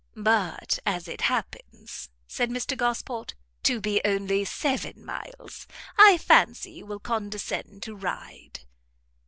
"But as it happens," said Mr Gosport, "to be only seven miles, I fancy you will condescend to ride."